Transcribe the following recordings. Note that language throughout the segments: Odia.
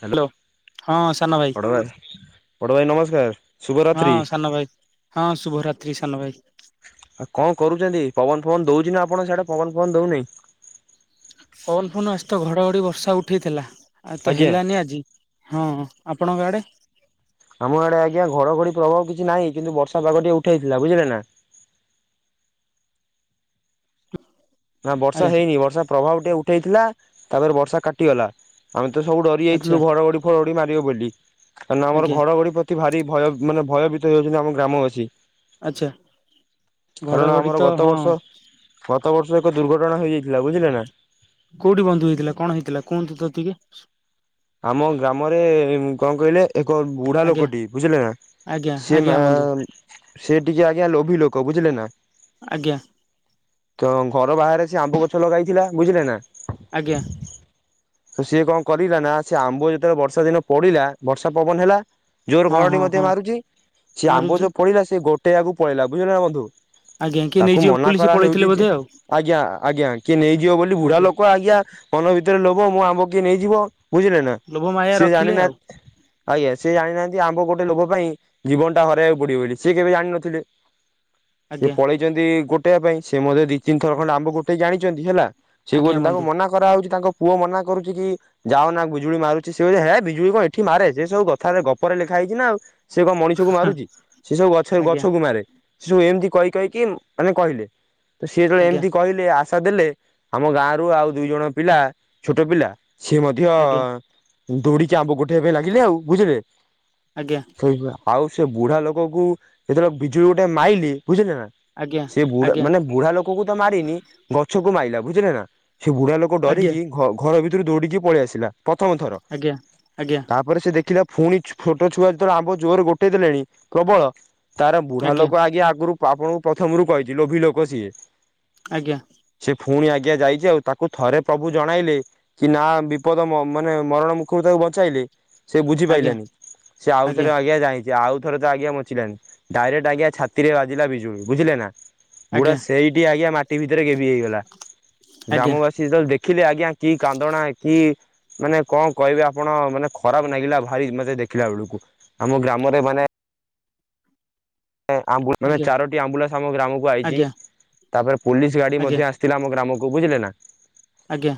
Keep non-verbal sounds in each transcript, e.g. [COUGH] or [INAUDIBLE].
ହ୍ୟାଲୋ ହଁ ସାନ ଭାଇ ବଡବଆ ବଡ ଭାଇ ନମସ୍କାର। ହଁ ଶୁଭରାତ୍ରି। ସାନ ଭାଇ ହଁ ଶୁଭରାତ୍ରି ସାନ ଭାଇ। ଆଉ କଣ କରୁଛନ୍ତି ପବନ ଫବନ ଦଉଛି ନା ଆପଣଙ୍କ ସିଆଡ଼େ ପବନ ଫବନ ଦଉନି। ପବନ ଫବନ ଆଜି ତ ଘଡଘଡି ବର୍ଷା ଉଠେଇଥିଲା ଆଉ ତ ଆଜ୍ଞା ହେଲାନି ଆଜି। ହଁ ଆପଣଙ୍କ ଆଡ଼େ? ଆମ ଆଡେ ଆଜ୍ଞା ଘଡଘଡି ପ୍ରଭାବ କିଛି ନାହିଁ କିନ୍ତୁ ବର୍ଷା ପାଗ ଟିକେ ଉଠେଇଥିଲା ବୁଝିଲେ ନା। ନା ବର୍ଷା ଆଜ୍ଞା ହେଇନି ବର୍ଷା ପ୍ରଭାବ ଟିକେ ଉଠେଇଥିଲା ତାପରେ ବର୍ଷା କାଟିଗଲା। ଆମେ ତ ସବୁ ଡରି ଆଚ୍ଛା ଯାଇଥିଲୁ ଘଡଘଡି ଫଡଘଡି ମାରିବ ବୋଲି କାହିଁକ ନା ଆମର ଆଜ୍ଞା ଘଡଘଡି ପ ଅତି ଭାରି ଭୟ ମାନେ ଭୟଭୀତ ହେଇଯାଉଛନ୍ତି ଆମ ଗ୍ରାମବାସୀ। ଆଚ୍ଛା କାରଣ ଘଡଘଡି ଆମର ତ ଗତ ହଁ ବର୍ଷ ଗତ ବର୍ଷ ଏକ ଦୁର୍ଘଟଣା ହେଇଯାଇଥିଲା ବୁଝିଲେ ନା। କୋଉଠି ବନ୍ଧୁ ହେଇଥିଲା କଣ ହେଇଥିଲା କୁହନ୍ତୁ ତ ଟିକେ? ଆମ ଗ୍ରାମରେ କଣ କହିଲେ ଏକ ବୁଢା ଆଜ୍ଞା ଲୋକଟି ବୁଝିଲେ ନା। ଆଜ୍ଞା ସେ ମା ଆଜ୍ଞା ବନ୍ଧୁ ସେ ଟିକେ ଆଜ୍ଞା ଲୋଭି ଲୋକ ବୁଝିଲେ ନା। ଆଜ୍ଞା। ତ ଘର ବାହାରେ ସେ ଆମ୍ବ ଗଛ ଲଗାଇଥିଲା ବୁଝିଲେ ନା। ଆଜ୍ଞା। ତ ସିଏ କଣ କରିଲା ନା ସେ ଆମ୍ବ ଯେତେବେଳେ ବର୍ଷା ଦିନ ପଡିଲା ବର୍ଷା ପବନ ହେଲା। ଯୋର ହଁ ଘଡ଼ଘଡ଼ି ହଁ ମଧ୍ୟ ହଁ ମାରୁଛି ସେ ଆମ୍ବ ମାରୁଛି ଯୋଉ ପଡ଼ିଲା ସେ ଗୋଟେଇବାକୁ ପଳେଇଲା ବୁଝିଲ ନା ବନ୍ଧୁ। ଆଜ୍ଞା କିଏ ତାକୁ ନେଇଯିବ ମନା ବୋଲି ସେ କରାହଉଛି ପଳେଇଥିଲେ ଯେ। ବୋଧେ ଆଉ ଆଜ୍ଞା ଆଜ୍ଞା କିଏ ନେଇଯିବ ବୋଲି ବୁଢା ଲୋକ ଆଜ୍ଞା ମନ ଭିତରେ ଲୋଭ ମୋ ଆମ୍ବ କିଏ ନେଇଯିବ। ବୁଝିଲ ନା ଲୋଭ ମାୟା ସେ ରଖିଲେ ଆଉ ଜାଣିନାହାନ୍ତି। ଆଜ୍ଞା ସିଏ ଜାଣିନାହାନ୍ତି ଆମ୍ବ ଗୋଟେ ଲୋଭ ପାଇଁ ଜୀବନ ଟା ହରାଇବାକୁ ପଡିବ ବୋଲି ସେ କେବେ ଜାଣିନଥିଲେ। ସେ ଆଜ୍ଞା ପଳେଇଛନ୍ତି ଗୋଟେଇବା ପାଇଁ ସେ ମଧ୍ୟ ତିନଥର ଖଣ୍ଡେ ଆମ୍ବ ଗୋଟେଇକି ଜାଣିଛନ୍ତି ହେଲା ସେ ଆଜ୍ଞା କହୁଛନ୍ତି ତାଙ୍କୁ ବନ୍ଧୁ ମନା କରାହଉଛି ତାଙ୍କ ପୁଅ ମନା କରୁଛି କି। ଯାଉ ନା ବିଜୁଳି ମାରୁଛି ସେ କହୁଚି ହେ ବିଜୁଳି କଣ ଏଠି ମାରେ ସେ ସବୁ କଥାରେ ଗପରେ ଲେଖା ହେଇଛି ନା ଆଉ। ସେ କଣ ମଣିଷ କୁ ମାରୁଛି ସେ ସବୁ ଗଛ ରେ ଆଜ୍ଞା ଗଛ କୁ ମାରେ। ସେ ସବୁ ଏମିତି କହି କହିକି ମାନେ କହିଲେ ତ ସିଏ ଯେତେବେଳେ ଆଜ୍ଞା ଏମିତି କହିଲେ ଆ ଆଶା ଦେଲେ ଆମ ଗାଁ ରୁ ଆଉ ଦୁଇ ଜଣ ପିଲା ଛୋଟ ପିଲା ସିଏ ମଧ୍ୟ ଆଜ୍ଞା ଦୌଡିିକି ଆମ୍ବ ଗୋଟେଇବା ପାଇଁ ଲାଗିଲେ ଆଉ ବୁଝିଲେ। ଆଜ୍ଞା। ଏଇ ଭଳିଆ ଆଉ ସେ ବୁଢା ଲୋକ କୁ ଯେତେବେଳେ ବିଜୁଳି ଗୋଟେ ମାଇଲି ବୁଝିଲେ ନା। ଆଜ୍ଞା ସେ ବୁଢା ଆଜ୍ଞା ମାନେ ବୁଢା ଲୋକକୁ ତ ମାରିନି ଗଛକୁ ମାଇଲା ବୁଝିଲେ ନା ସେ ବୁଢା ଲୋ ଲୋକ ଆଜ୍ଞା ଡରିକି ଘ-ଘର ଭିତରୁ ଦୌଡିକି ପଳେଇ ଆସିଲା ପ୍ରଥମ ଥର। ଆଜ୍ଞା ଆଜ୍ଞା। ତାପରେ ସେ ଦେଖିଲା ପୁଣି ଛୋଟ ଛୁଆ ଯେତେବେଳେ ଆମ୍ବ ଜୋରରେ ଗୋଟେଇ ଦେଲେଣି ପ୍ରବଳ। ତାର ବୁଢା ଲୋକ ଆଜ୍ଞା ଆଗରୁ ଆପଣଙ୍କୁ ପ୍ରଥମରୁ କହିଛି ଲୋଭି ଲୋକ ସିଏ। ଆଜ୍ଞା। ସେ ପୁଣି ଆଜ୍ଞା ଯାଇଛି ଆଉ ତାକୁ ଥରେ ପ୍ରଭୁ ଜଣାଇଲେ କି ନା ବି ବିପଦ ମ ମାନେ ମରଣ ମୁଖରୁ ତାକୁ ବଚାଇଲେ ସେ ବୁଝି ଆଜ୍ଞା ପାଇଲାନି ସେ ଆଉଥରେ ଆଜ୍ଞା ଯାଇ ଯେ ଆଉ ଥର ତ ଆଜ୍ଞା ବଞ୍ଚିଲାନି ଡାଇରେକ୍ଟ ଆଜ୍ଞା ଛାତିରେ ବାଜିଲା ବିଜୁଳି ବୁଝିଲେ ନା। ଆଜ୍ଞା ବୁଢ଼ୀ ସେଇଠି ଆଜ୍ଞା ମାଟି ଭିତରେ ଗେବି ହେଇଗଲା ଆଜ୍ଞା ଆଜ୍ଞା ଗ୍ରାମବା ସିଏ ଯେତେବେଳେ ଦେଖିଲେ ଆଜ୍ଞା କି କାନ୍ଦଣା କି ମାନେ କଣ କହିବେ ଆପଣ ମାନେ ଖରାପ ନାଗିଲା ଭାରି ମତେ ଦେଖିଲା ବେଳକୁ। ଆମ ଗ୍ରାମରେ ମାନେ ଆ ମାନେ ଚାରୋଟି ଆମ୍ବୁଲାନ୍ସ ଆମ ଗ୍ରାମକୁ ଆଇଛି ଆଜ୍ଞା ତାପରେ ପୋଲିସ ଆଜ୍ଞା ଗାଡି ଆଜ୍ଞା ମଧ୍ୟ ଆସି ଥିଲା ଆମ ଗ୍ରାମକୁ ବୁଝିଲେ ନା। ଆଜ୍ଞା।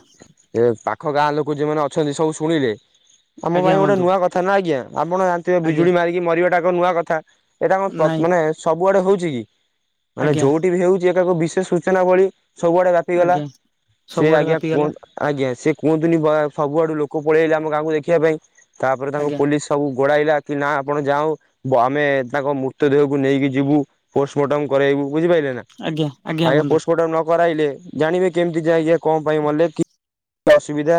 ଏ ପାଖ ଗାଁ ଲୋକ ଯଉମାନେ ଅଛନ୍ତି ସବୁ ଶୁଣିଲେ ଆମ ଆଜ୍ଞା ପାଇଁ ଗୋଟେ ବନ୍ଧୁ ନୂଆ କ କଥା ନା ଆଜ୍ଞା ଆପଣ ଜାଣିଥିବେ ଆଜ୍ଞା ବିଜୁଳି ମାରିକି ମରିବାଟା ଏକ ନୂଆ କଥା ଏଇଟା କଣ ପ ନାଇଁ ଏ ସବୁଆଡେ ହଉଛି କି ମାନେ ଆଜ୍ଞା ଯୋଉଠି ବି ହଉଛି ଏକାକୁ ବିଶେଷ ସୂଚନା ଭଳି ସବୁଆଡେ ବା ହେଇଗଲା ଆଜ୍ଞା ସିଏ ସବୁଆଡେ ଆଜ୍ଞା କୁହ ବ୍ୟାପିଗଲା ଆଜ୍ଞା ସେ କୁହନ୍ତିନି ବା ସବୁଆଡୁ ଲୋକ ପଳେଇ ଆଇଲେ ଆମ ଗାଁକୁ ଦେଖିବା ପାଇଁ ତାପରେ ତାଙ୍କ ଆଜ୍ଞା ପୋଲିସ ସବୁ ଗୋଡାଇଲା କି ନା ଆପଣ ଯାଓ ବ ଆମେ-ଏ ତାଙ୍କ ମୂ ତ ଦେହକୁ ନେଇକି ଯିବୁ ପୋଷ୍ଟମର୍ଟମ କରାଇବୁ ବୁଝିପାରିଲେ ନା ଆଜ୍ଞା ଆଜ୍ଞା ବନ୍ଧୁ ପୋଷ୍ଟମର୍ଟମ ନ କ କରାଇଲେ ଜାଣିବେ କେମିତି ଯେ ଆଜ୍ଞା କଣ ପାଇଁ ମଲେ କି [UNINTELLIGIBLE] ଅସୁବିଧା।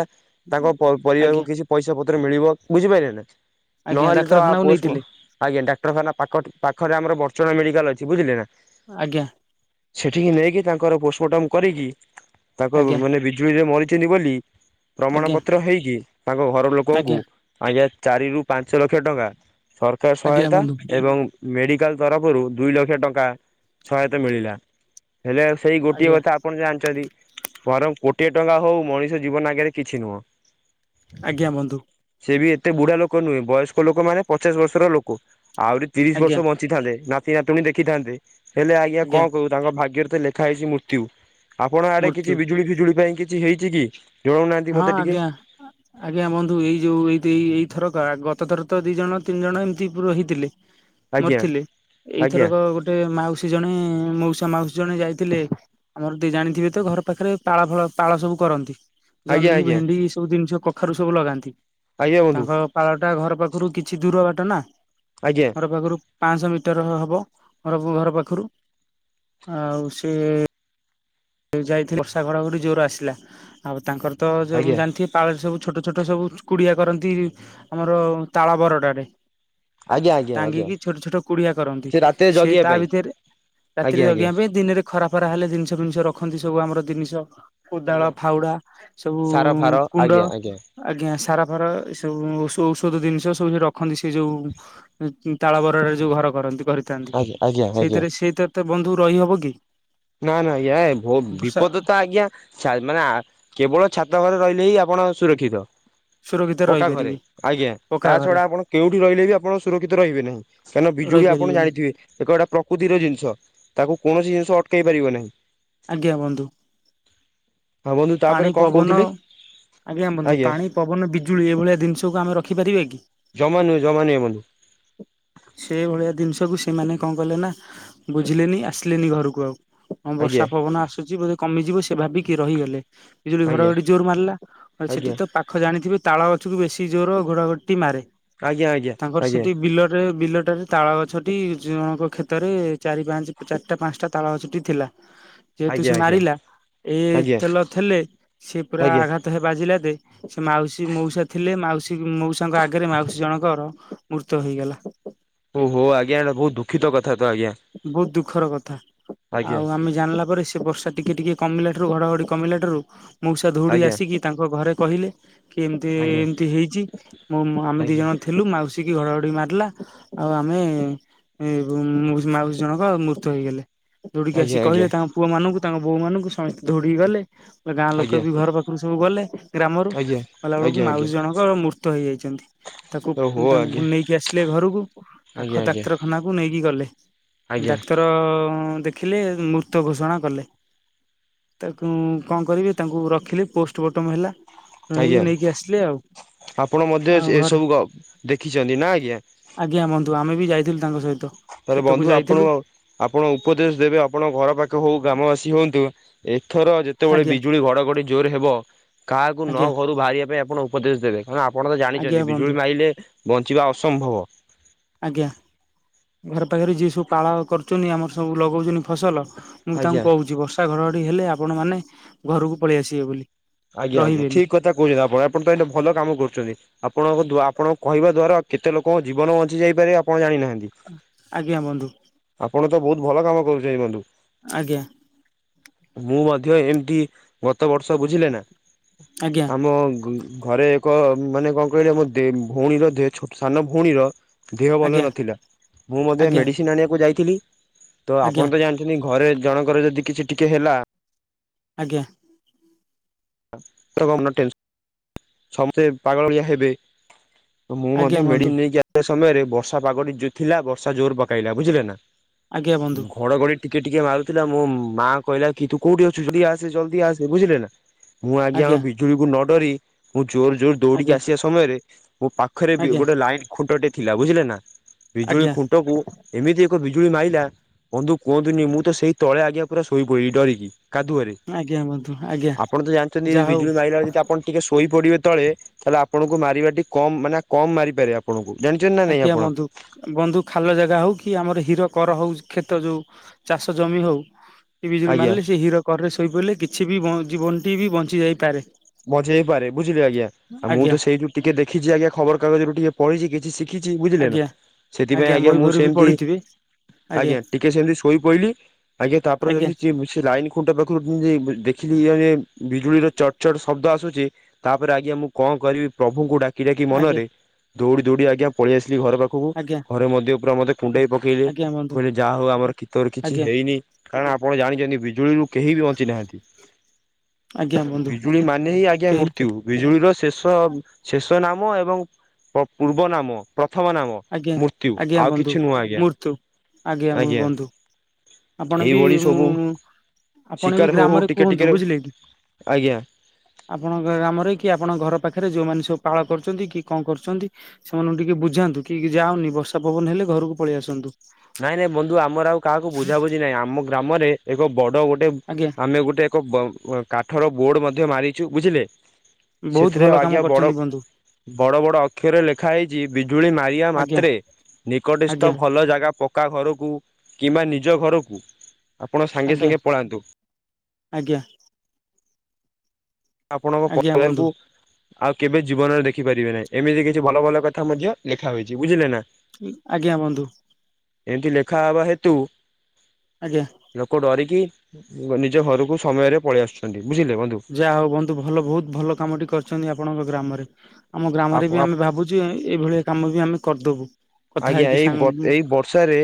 ତାଙ୍କ ପ ପରିବାରକୁ ଆଜ୍ଞା କିଛି ପଇସା ପତ୍ର ମିଳିବ ବୁଝିପାରିଲେ ନା ଆଜ୍ଞା ନହେଲେ ତ ଡାକ୍ତରଖାନାକୁ ପୋଷ୍ଟ ମ ନେଇଥିଲେ ଆଜ୍ଞା ଡାକ୍ତରଖାନା ପାଖ ପାଖରେ ଆମର ବଡ଼ର୍ଚ୍ଚନା ମେଡିକାଲ ଅଛି ବୁଝିଲେ ନା। ଆଜ୍ଞା। ସେଠିକି ନେଇକି ତାଙ୍କର ପୋଷ୍ଟମର୍ଟମ କରିକି ତାଙ୍କ ଆଜ୍ଞା ବ-ବ-ବ ମାନେ ବିଜୁଳିରେ ମରିଛନ୍ତି ବୋଲି ପ୍ରମାଣ ଆଜ୍ଞା ପତ୍ର ହେଇକି ତାଙ୍କ ଘର ଲୋକଙ୍କୁ ଆଜ୍ଞା ଆଜ୍ଞା ଚାରି ରୁ ପାଞ୍ଚ ଲକ୍ଷ ଟଙ୍କା ସରକାର ଆଜ୍ଞା ସହାୟତା ବନ୍ଧୁ ଏବଂ ମେଡ଼ିକାଲ ତରଫରୁ ଦୁଇ ଲକ୍ଷ ଟଙ୍କା ସହାୟତା ମିଳିଲା ହେଲେ ସେଇ ଗୋଟିଏ ଆଜ୍ଞା କଥା ଆପଣ ଜାଣିଛନ୍ତି ବରଂ କୋଟିଏ ଟଙ୍କା ହଉ ମଣିଷ ଜୀବନ ଆଗରେ କିଛି ନୁହଁ। ଆଜ୍ଞା ବନ୍ଧୁ। ସିଏ ବି ଏତେ ବୁଢା ଲୋକ ନୁହେଁ ବୟସ୍କ ଲୋକ ମାନେ ପଚାଶ ବର୍ଷର ଲୋକ ଆହୁରି ତିରିଶ ବର୍ଷ ଆଜ୍ଞା ବଞ୍ଚିଥାନ୍ତେ ନାତି ନାତୁଣୀ ଦେଖିଥାନ୍ତେ। ହେଲେ ଆଜ୍ଞା କଣ କହୁ ତାଙ୍କ ଭାଗ୍ୟରେ ତ ଲେଖା ହେଇଛି ମୃତ୍ୟୁ। ଆପଣଙ୍କ ଆଡେ କିଛି ମୃତ୍ୟୁ ବିଜୁଳି ଫିଜୁଳି ପାଇଁ କିଛି ହେଇଛି କି? ଜଣଉନାହାନ୍ତି ହଁ ମତେ ଟିକେ ଆଜ୍ଞା। ଆଜ୍ଞା ବନ୍ଧୁ ଏଇ ଯୋଉ ଏଇ ଦେ ଏ ଏଇଥର ଗତ ଥର ତ ଦି ଜଣ ତିନି ଜଣ ଏମିତି ପୁରହିଥିଲେ। ଆଜ୍ଞା ମରିଥିଲେ ଆଜ୍ଞା ଏଇଥରକ ଗୋ ଗୋଟେ ମାଉସୀ ଜଣେ-ଏ-ଏ-ଏ ମାଉସା ମାଉସୀ ଜଣେ ଯାଇଥିଲେ ଆମର ଦି ଜାଣିଥିବେ ତ ଘର ପାଖରେ ପାଳ ଫଳ ପାଳ ସବୁ କରନ୍ତି। ଆଜ୍ଞା ଜହ୍ନି, ଆଜ୍ଞା। ଭେଣ୍ଡି ଏ ସବୁ ଜିନିଷ କଖାରୁ ସବୁ ଲଗାନ୍ତି। ଆଜ୍ଞା ବନ୍ଧୁ ତାଙ୍କ ପାଳଟା ଘର ପାଖରୁ କିଛି ଦୂର ବାଟ ନା। ଆଜ୍ଞା। ଘର ପାଖରୁ ପାଆଶହ ମିଟର ହେବ ଘର ଘର ପାଖରୁ ଆଉ ସିଏ-ଏ-ଏ ଯାଇଥିଲେ ବର୍ଷା ଘଡ ଘଡି ଜୋର ଆସିଲା ଆଉ ତାଙ୍କର ତ ଯଉ ଆଜ୍ଞା ଜାଣିଥି ପାଳରେ ସବୁ ଛୋଟ ଛୋଟ ସବୁ କୁଡିଆ କରନ୍ତି-ଇ ଆମର-ଅ ତାଳ ବରଡାରେ। ଆଜ୍ଞା ଆଜ୍ଞା ଆଜ୍ଞା ଟାଙ୍ଗିକି ଛୋଟ ଛୋଟ କୁଡିଆ କରନ୍ତି ସେ ରାତିରେ ସେ ଜଗିବା ତା ପାଇଁ ଭିତରେ ଆଜ୍ଞା ରାତିରେ ଆଜ୍ଞା ଜଗିବା ପାଇଁ ଦିନରେ ଖରା ଫରା ହେଲେ ଜିନିଷ ଫିନିଷ ରଖନ୍ତି ସବୁ ଆମର ଜିନିଷ କୋଦାଳ ଆଜ୍ଞା ଫାଉଡା ସାର ଫାର ସବୁ-ଉ-ଉ-ଉ କୁଣ୍ଡ। ଆଜ୍ଞା ଆଜ୍ଞା ଆଜ୍ଞା ସାର ଫାର ଏ ସବୁ ଔଷ ଔଷଧ ଜିନିଷ ସବୁ ଯେ ରଖନ୍ତି ସେ ଯୋଉ। [UNINTELLIGIBLE] ତାଳ ବରରେ ଯୋଉ ଘର କରନ୍ତି କରିଥାନ୍ତି ଆଜ୍ଞା ଆଜ୍ଞା ଆଜ୍ଞା ସେଇଥିରେ ସେଇଥିର ତ ବନ୍ଧୁ ରହିହବ କି? ନା ନା ୟା ବହୁତ୍ ବର୍ଷା ବିପଦ ତ ଆଜ୍ଞା ଛା ମାନା କେବଳ ଛାତ ଘରେ ରହିଲେ ହିଁ ଆପଣ ସୁରକ୍ଷିତ। ସୁରକ୍ଷିତରେ ପକ୍କା ଘରେ ରହିପାରିବି ତା ପକ୍କା ଘରେ ଛଡା ଆପଣ କେଉଠି ରହିଲେ ବି ଆପଣ ସୁରକ୍ଷିତ ରହିବେ ନାହିଁ। କାରଣ ବିଜୁଳି ଆପଣ ରହିପାରିବେନି ଜାଣିଥିବେ ଏକ ଏଟା ପ୍ରକୃତିର ଜିନିଷ ତାକୁ କୌଣସି ଜିନିଷ ଅଟକେଇ ପାରିବ ନାହିଁ। ଆଜ୍ଞା ବନ୍ଧୁ ହଁ ବନ୍ଧୁ ପାଣି ତାପରେ କଣ ପବନ କହୁଥିଲେ ଆଜ୍ଞା ବନ୍ଧୁ ପାଣି ପବନ, ବିଜୁଳି ଏଇଭଳିଆ ଜିନିଷକୁ ଆମେ ରଖିପାରିବା କି? ଜମା ନୁହେ ଜମା ନୁହେ ବନ୍ଧୁ। [INAUDIBLE] ସେ ଭଳିଆ ଜିନିଷକୁ ସେମାନେ କଣ କଲେ ନା ବୁଝିଲେନି ଆସିଲେନି ଘରକୁ ଆଉ। ହଁ ବର୍ଷା ଆଜ୍ଞା ପବନ ଆସୁଛି ବୋଧେ କମିଯିବ ସେ ଭାବିକି ରହିଗଲେ। ବିଜୁଳି ଘଡ ଆଜ୍ଞା ଘଡି ଜୋର ମାରିଲା ଆଜ୍ଞା ସେଠି ତ ପା ଖ ଜାଣିଥିବେ ତାଳ ଗଛରୁ ବେଶୀ ଜୋର ଘୋଡ଼ଘଡ଼ିଟି ମାରେ। ଆଜ୍ଞା ଆଜ୍ଞା ତାଙ୍କର ଆଜ୍ଞା ସେଠି ବିଲରେ ବିଲଟାରେ ତାଳ ଗଛ ଟି ଜଣଙ୍କ କ୍ଷେତରେ ଚାରି ପାଞ୍ଚ ଚାରିଟା ପାଞ୍ଚଟା ତାଳ ଗଛଟି ଥିଲା।। ଯେହେତୁ ଆଜ୍ଞା ସେ ଆଜ୍ଞା ମାରିଲା ଏ ଆଜ୍ଞା ତେଲ ଥିଲେ ସିଏ ପୁରା ଆଜ୍ଞା ଆଘାତ ହେ ବାଜିଲା ଦେ ସେ ମାଉସୀ ମଉସା ଥିଲେ ମାଉସୀ ମଉସାଙ୍କ ଆଗରେ ମାଉସୀ ଜଣଙ୍କର ମୃତ୍ୟୁ ହେଇଗଲା। ଓହୋ ଆଜ୍ଞା ଏଟା ବହୁତ ଦୁଃଖିତ କଥା ତ ଆଜ୍ଞା। ବହୁତ ଦୁଃଖର କଥା ଆଜ୍ଞା ଆଉ ଆମେ ଜାଣିଲା ପରେ ସେ ବର୍ଷା ଟିକେ ଟିକେ କମିଲା ଠାରୁ ଘଡଘଡି କମିଲା ଠାରୁ ମଉସା ଧଉଡି ଆଜ୍ଞା ଆସିକି ତାଙ୍କ ଘରେ କହିଲେ। କି ଏମତି ଆଜ୍ଞା ଏମତି ହେଇଛି ମୋ ଆମେ ଦି ଜଣ ଥିଲୁ ମାଉସୀ କି ଘଡଘଡି ମାରିଲା ଆଉ ଆମେ ଏ ମୋ ମାଉସୀ ଜଣଙ୍କ ମୃତ୍ୟ ହେଇଗଲେ ଦୌଉଡିକି ଆସି ଆଜ୍ଞା ଆଜ୍ଞା ଆଜ୍ଞା କହିଲେ ତାଙ୍କ ପୁଅମାନଙ୍କୁ ତାଙ୍କ ବୋଉମାନଙ୍କୁ ସମସ୍ତେ ଧୌଡିକି ଗଲେ। ଗାଁ ଲୋକ ଆଜ୍ଞା ବି ଘର ପାଖରୁ ସବୁ ଗଲେ ଗ୍ରାମରୁ। ଆଜ୍ଞା ଗଲା ଆଜ୍ଞା ବେଳକୁ ଆଜ୍ଞା ମାଉସୀ ଜଣଙ୍କ ମୃତ ହେଇଯାଇଛନ୍ତି। ତାକୁ ଓହୋ ଆଜ୍ଞା ତାଙ୍କୁ ନେଇକି ଆସିଲେ ଘରକୁ ଆଜ୍ଞା ପାଖ ଡାକ୍ତରଖାନାକୁ ନେଇକି ଗଲେ। ଆଜ୍ଞା ଡାକ୍ତର ଦେଖିଲେ ମୃତ ଘୋଷଣା କଲେ। ତାକୁ କଣ କରିବେ ତାଙ୍କୁ ରଖିଲେ ପୋଷ୍ଟମର୍ଟମ ହେଲା। ହେଇକି ଆଜ୍ଞା ନେଇକି ଆସିଲେ ଆଉ। ଆପଣ ମଧ୍ୟ ଆଉ ଘରେ ଏସବୁ ଗ ଦେଖିଛନ୍ତି ନା ଆଜ୍ଞା? ଆଜ୍ଞା ବନ୍ଧୁ ଆମେ ବି ଯାଇଥିଲୁ ତାଙ୍କ ସହିତ। ଏରେ କ୍ଷେତକୁ ବନ୍ଧୁ ଆପଣ ଯାଇଥିଲୁ ଆପଣ ଉପଦେଶ ଦେବେ ଆପଣ ଘର ପାଖ ହଉ ଗ୍ରାମବାସୀ ହଅନ୍ତୁ ଏଥର ଯେତେ ଯେତେବେଳେ ଆଜ୍ଞା ବିଜୁଳି ଘଡ଼ଘଡ଼ି ଜୋର ହେବ କାହାକୁ ନ ଆଜ୍ଞା ଘରୁ ବାହାରିବା ପାଇଁ ଆପଣ ଉପଦେଶ ଦେବେ। ମାନେ ଆପଣ ତ ଆଜ୍ଞା ଜାଣିଛନ୍ତି ବନ୍ଧୁ ବିଜୁଳି ମାରିଲେ ବଞ୍ଚିବା ଅସମ୍ଭବ। ଆଜ୍ଞା ଘରେ ପାଖରେ ଯିଏ ସବୁ ପାଳ କରୁଛନ୍ତି ଆମର ସବୁ ଲଗାଉଛନ୍ତି ଫସଲ। ମୁଁ ଆଜ୍ଞା ତାଙ୍କୁ କହୁଛି ବର୍ଷା ଘଡଘଡି ହେଲେ ଆପଣ ମାନେ ଘରକୁ ପଳେଇ ଆସିବେ ବୋଲି। ଆଜ୍ଞା ଆଜ୍ଞା ରହିବେନି ଠିକ୍ କଥା କହୁଛନ୍ତି ଆପଣ ଆପଣ ତ ଏତେ ଭଲ କାମ କରୁଛନ୍ତି। ଆପଣଙ୍କ ଦ୍ୱା ଆପଣଙ୍କ କହିବା ଦ୍ଵାରା କେତେ ଲୋକଙ୍କ ଜୀବନ ବଞ୍ଚି ଯାଇପାରେ ଆପଣ ଜାଣିନାହାନ୍ତି? ଆଜ୍ଞା ବନ୍ଧୁ। ଆପଣ ତ ବହୁତ ଭଲ କାମ କରୁଛନ୍ତି ବନ୍ଧୁ। ଆଜ୍ଞା। ମୁଁ ମଧ୍ୟ ଏମିତି ଗତ ବର୍ଷ ବୁଝିଲେ ନା ଆଜ୍ଞା ଆମ ଘରେ ଙ୍କ ମାନେ କଣ କହିଲେ ଆମ ଦେ ଭଉଣୀର ଦେ ଛୋ ସାନ ଭଉଣୀର ଦେହ ଭଲ ଆଜ୍ଞା ନଥିଲା ମୁଁ ମଧ୍ୟ ଆଜ୍ଞା ମେଡ଼ିସିନ ଆଣିବାକୁ ଯାଇଥିଲି ତ ଆଜ୍ଞା ଆପଣ ତ ଜାଣି ନି ଘରେ ଜଣଙ୍କର ଯଦି କିଛି ଟିକେ ହେଲା। ଆଜ୍ଞା। [UNINTELLIGIBLE] ସମସ୍ତେ ପାଗଳ ଭଳିଆ ହେବେ ମୁଁ ଆଜ୍ଞା ମଧ୍ୟ ବନ୍ଧୁ ମେଡିନ ନେଇକି ଆ ସମୟରେ ବର୍ଷା ପାଗଟି ଯଉ ଥିଲା ବର୍ଷା ଜୋର ପକାଇଲା ବୁଝିଲେ ନା ଆଜ୍ଞା ବନ୍ଧୁ ଘଡଘଡି ଟିକେ ଟିକେ ମାରୁଥିଲା ମୋ ମା କହିଲା କି ତୁ କୋଉଠି ଅଛୁ ଯଦି ଆସେ ଜଲଦି ଆସେ ବୁଝିଲେ ନା। ମୁଁ ଆଜ୍ଞା ଆ ବିଜୁଳିକୁ ନ ଡରି ମୁଁ ଜୋରେ ଜୋରେ ଦୌଡିକି ଆଜ୍ଞା ଆସିବା ସମୟରେ ମୋ ପାଖରେ ଵି ଆଜ୍ଞା ଗୋଟେ ଲାଇନ ଖୁଣ୍ଟଟେ ଥିଲା ବୁଝିଲେ ନା ବିଜୁଳି ଆଜ୍ଞା ଖୁଣ୍ଟକୁ ଏମିତି ଏକ ବିଜୁଳି ମାଇଲା ବନ୍ଧୁ କୁହନ୍ତୁନି ମୁଁ ତ ସେଇ ତଳେ ଆଜ୍ଞା ପୁରା ସୋଇ ପଡିଲି ଡରିକି କାଦୁଅରେ। ଆଜ୍ଞା ବନ୍ଧୁ ଆଜ୍ଞା ଆପଣ ତ ଜାଣିଛନ୍ତି ଯାହା ହଉ ବିଜୁଳି ମାଇଲାବେଳେ ଆପ୍ ଆପଣ ଟିକେ ଶୋଇ ପଡିବେ ତଳେ ତାହେଲେ ଆପଣଙ୍କୁ ମାରିବାଟା ଟିକେ କମ ମାନେ କମ ମାରିପାରେ। ଆପଣକୁ ଜାଣିଛନ୍ତି ନା ନାଇଁ ଆଜ୍ଞା ଆପଣ ବନ୍ଧୁ ବନ୍ଧୁ ଖାଲ ଜାଗା ହଉ କି ଆମର ହୀର କର ହଉଛି କ୍ଷେତ ଯୋଉ ଚାଷ ଜମି ହଉ। ସେ ବିଜୁଳି ଆଜ୍ଞା। ମାରିଲେ ସେ ହିର କରରେ ଶୋଇ ପଡ଼ିଲେ କିଛି ବି ଜୀବନଟି ବି ବଞ୍ଚି ଯାଇପାରେ। ମଝେ ହେଇପାରେ ବୁଝିଲେ ଆଜ୍ଞା ମୁଁ ତ ସେଇଠୁ ଟିକେ ଦେଖିଛି ଆଜ୍ଞା ଖବର କାଗଜରୁ ଟିକେ ପଢିଛି କିଛି ସି କିଛି ବୁଝିଲେ ନା ଆଜ୍ଞା ସେଥିପାଇଁ ଆଜ୍ଞା ମୁଁ ବହିଭରୁ ବି ସେମତି ପଢିଥିବେ ଆଜ୍ଞା ଟିକେ ସେମିତି ଶୋଇ ପହିଲି ଆଜ୍ଞା ତାପରେ ଯେମିତ ସେ ଲାଇନ୍ ଖୁଣ୍ଟ ପାଖରୁ [UNINTELLIGIBLE] ଦେଖିଲି ବିଜୁଳିର ଚଟ୍ ଚଡ଼ ଚଡ୍ ଶବ୍ଦ ଆସୁଛି ତାପରେ ଆଜ୍ଞା ମୁଁ କଣ କରିବି ପ୍ରଭୁଙ୍କୁ ଡାକି ଡାକି ଆଜ୍ଞା ମନରେ ଦୌଡି ଦୌଡି ଆଜ୍ଞା ପଳେଇ ଆସିଲି ଘର ପାଖକୁ ଆଜ୍ଞା ଘରେ ମଧ୍ୟ ପୁରା ମତେ କୁଣ୍ଡ ପ ଇବେ ଆଜ୍ଞା ବନ୍ଧୁ କହିଲେ ଯାହା ହଉ ଆମର କୀ ତୋର କିଛି ଆଜ୍ଞା ହେଇନି କାରଣ ଆପଣ ଜାଣିଚନ୍ତି ବିଜୁଳିରୁ କେହି ବି ବଞ୍ଚି ନାହାଁନ୍ତି। ଆଜ୍ଞା। ବନ୍ଧୁ ବିଜୁଳି ମାନେ ହିଁ ଆଜ୍ଞା କେହି ତ ମୃତ୍ୟୁ। ବିଜୁଳିର ଶେଷ ଶେଷ ନାମ ଏବଂ ପ ପୂର୍ବ ନାମ ପ୍ରଥମ ନାମ। ଆଜ୍ଞା ମୃତ୍ୟୁ ଆଜ୍ଞା ଆଉ ବନ୍ଧୁ କିଛି ନୁହଁ ଆଜ୍ଞା ମୃତ୍ୟୁ ଆଜ୍ଞା। ଆପଣ ବି ଏଇଭଳି ସବୁ ଆପଣ ବି ଶିକାର ହଉ ହଉ ଗ୍ରାମରେ ଟିକେ କୁହନ୍ତୁ ଟିକେ ବୁଝିଲେ କି ଆଜ୍ଞା। ଆପଣଙ୍କ ଗାମରେ କି ଆପଣଙ୍କ ଘର ପାଖରେ ଯୋଉମାନେ ସବୁ ପାଳ କରୁଛନ୍ତି କି କଣ କରୁଛନ୍ତି ସେମାନଙ୍କୁ ଟିକେ ବୁଝାନ୍ତୁ କି ଯାଅନି। ବର୍ଷା ପବନ ହେଲେ ଘରକୁ ପଳେଇ ଆସନ୍ତୁ। ନାଇଁ ନାଇଁ ବନ୍ଧୁ ଆମର ଆଉ କାହାକୁ ବୁଝାବୁଝି ନାହିଁ। ଆମ ଗ୍ରାମରେ ଏକ ବଡ ଗୋଟେ ଆଜ୍ଞା। ଆମେ ଗୋଟେ ଏକ କାଠର ବୋର୍ଡ ମଧ୍ୟ ମାରିଚୁ, ବୁଝିଲେ ବହୁତ ଭଲ ସେଥିରେ କାମ ଆଜ୍ଞା ବଡ କରିଛନ୍ତି ବନ୍ଧୁ ବଡ ବଡ ଅକ୍ଷରରେ ଲେଖା ହେଇଚି ବିଜୁଳି ମାରିବା ଆଜ୍ଞା ମାତ୍ରେ ନିକଟସ୍ଥ ଆଜ୍ଞା ଭଲ ଜାଗା ପକ୍କା ଘରକୁ କିମ୍ବା ନିଜ ଘରକୁ ଆପଣ ସାଙ୍ଗେ ଆଜ୍ଞା ସାଙ୍ଗେ ପଳାନ୍ତୁ। ଆଜ୍ଞା। ଆପଣଙ୍କ ଆଜ୍ଞା ବନ୍ଧୁ। ପରିବାରକୁ ଆଉ କେବେ ଜୀବନରେ ଦେଖିପାରିବେ ନାହିଁ ଏମିତି କିଛି ଭଲ ଭଲ କଥା ମଧ୍ୟ ଲେଖା ହୋଇଚି ବୁଝିଲେ ନା। ଆଜ୍ଞା ବନ୍ଧୁ। ଏମିତି ଲେଖାହବା ହେତୁ ଆଜ୍ଞା। ଲୋକ ଡରିକି ନିଜ ଘରକୁ ସମୟରେ ପଳେଇ ଆସୁଚନ୍ତି ବୁଝିଲେ ବନ୍ଧୁ। ଯାହା ହଉ ବନ୍ଧୁ ଭଲ ବହୁତ ଭଲ କାମ ଟି କରିଚନ୍ତି ଆପଣଙ୍କ ଗ୍ରାମରେ ଆମ ଆପ ଗ୍ରାମରେ ବି ଆମେ ଭାବୁଚୁ ଯେ ଏଇଭଳିଆ କାମ ବି ଆମେ କରିଦେବୁ। ଆଜ୍ଞା ଏଇ ବ ଏଇ ବର୍ଷାରେ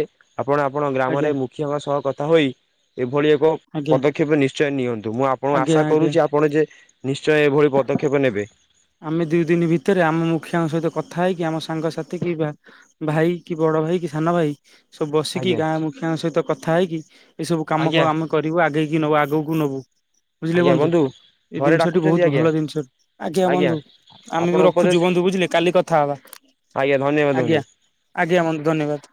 ଆପଣ ଆପଣ ଆଜ୍ଞା ଗ୍ରାମରେ ମୁଖ୍ୟ ଙ୍କ ସହ କଥା ହୋଇ ଏଭଳି ଏକ ପଦକ୍ଷେପ ନିଶ୍ଚୟ ନିଅନ୍ତୁ ମୁଁ ଆପଣଙ୍କୁ ଆଜ୍ଞା ଆଶା ଆଜ୍ଞା। କରୁଚି ଆପଣ ଯେ ନିଶ୍ଚୟ ଏଭଳି ପଦକ୍ଷେପ ନେବେ। ଆମେ ଦି ଦିନ ଭିତରେ ଆମ ମୁଖିଆଙ୍କ ସହିତ କଥା ହେଇକି ଆମ ସାଙ୍ଗସାଥି କି ବା ଭାଇ କି ବଡ ଭାଇ କି ସାନ ଭାଇ ସବୁ ବସିକି ଆଜ୍ଞା ଗାଁ ମୁଖିଆଙ୍କ ସହିତ କଥା ହେଇକି ଏଇ ସବୁ କାମ ଆଜ୍ଞା କଣ ଆମେ କରିବୁ ଆଗେଇକି ନବୁ ଆଗକୁ ନବୁ। ଆଜ୍ଞା ବନ୍ଧୁ ଏଇ ଘରେ ଜିନିଷଟି ବହୁତ ଡାକୁଚନ୍ତି ଭଲ ଆଜ୍ଞା। ଜିନିଷ ଆଜ୍ଞା ବନ୍ଧୁ ଆମେ ଆପଣ ବି ଉପଦେଶ ରଖୁଚୁ ବନ୍ଧୁ ବୁଝିଲେ କାଲି କଥା ହବା ଆଜ୍ଞା ଧନ୍ୟବାଦ ବନ୍ଧୁ। ଆଜ୍ଞା। ଆଜ୍ଞା ବନ୍ଧୁ ଧନ୍ୟବାଦ।